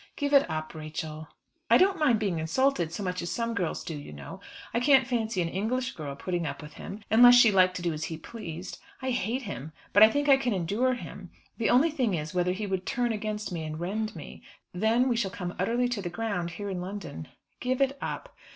"Give it up, Rachel." "I don't mind being insulted so much as some girls do, you know. I can't fancy an English girl putting up with him unless she liked to do as he pleased. I hate him; but I think I can endure him. The only thing is, whether he would turn against me and rend me. Then we shall come utterly to the ground, here in London." "Give it up."